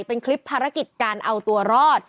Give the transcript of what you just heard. เป็นคลิปภารกิจการเอาตัวรอด